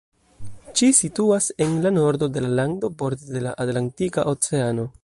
Ĉi situas en la nordo de la lando, borde de la Atlantika Oceano.